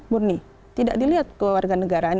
murni tidak dilihat warga negaraan